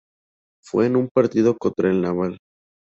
Fue en un partido contra el Naval.